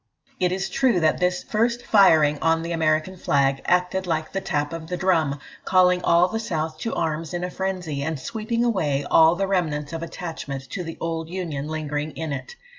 It is true that this first firing on the American flag acted like the tap of the drum, calling all the South to arms in a frenzy, and sweeping away all the remnants of attachment to the old Union lingering in it.